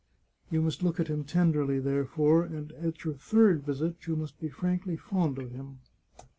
You must look at him tenderly, therefore, and at your third visit you must be frankly fond of him.